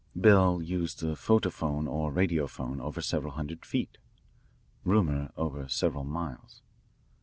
Bell used the photophone or radiophone over several hundred feet, Ruhmer over several miles.